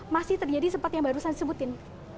masih terjadi seperti yang barusan disebutin